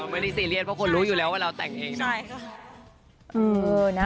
ไม่ได้ซีเรียสเพราะคนรู้อยู่แล้วว่าเราแต่งเองนะ